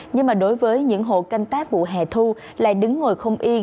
nhưng mà đối với những hộ canh tác vụ hẻ thu lại đứng ngồi không yên